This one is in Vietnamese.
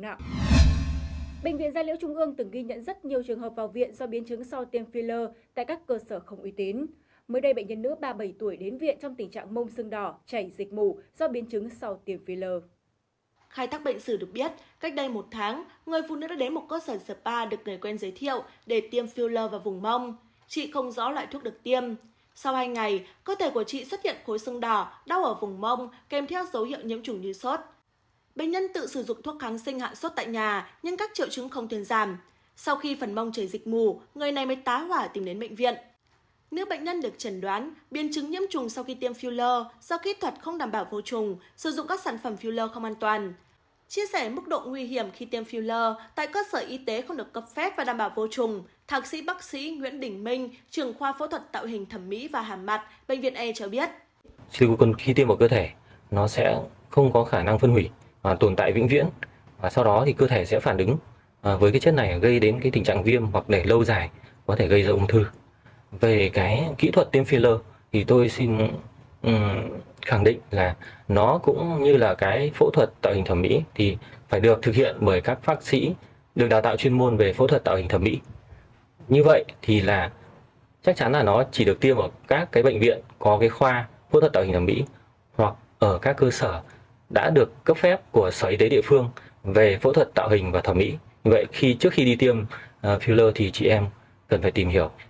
nếu bệnh nhân được chẩn đoán bệnh nhân được chẩn đoán bệnh nhân được chẩn đoán bệnh nhân được chẩn đoán bệnh nhân được chẩn đoán bệnh nhân được chẩn đoán bệnh nhân được chẩn đoán bệnh nhân được chẩn đoán bệnh nhân được chẩn đoán bệnh nhân được chẩn đoán bệnh nhân được chẩn đoán bệnh nhân được chẩn đoán bệnh nhân được chẩn đoán bệnh nhân được chẩn đoán bệnh nhân được chẩn đoán bệnh nhân được chẩn đoán bệnh nhân được chẩn đoán bệnh nhân được chẩn đoán bệnh